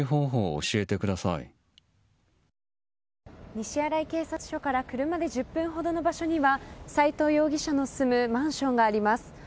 西新井警察署から車で１０分ほどの場所には斉藤容疑者の住むマンションがあります。